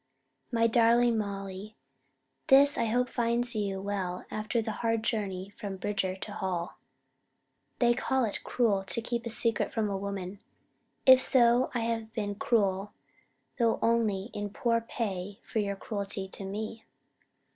MY DARLING MOLLY: This I hope finds you well after the hard journey from Bridger to Hall. They call it Cruel to keep a Secret from a Woman. If so, I have been Cruel, though only in Poor pay for your Cruelty to me.